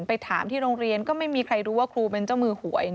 ไปถามที่โรงเรียนก็ไม่มีใครรู้ว่าครูเป็นเจ้ามือหวย